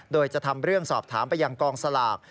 โดยจะทำเรื่องสอบถามไปยังกองสลาก